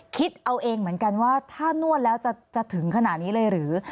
คิดเอาเองเหมือนกันว่าถ้านวดแล้วจะถึงขนาดนี้เลยหรือ